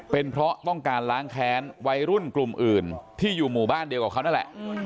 เป็นเพราะต้องการล้างแค้นวัยรุ่นกลุ่มอื่นที่อยู่หมู่บ้านเดียวกับเขานั่นแหละ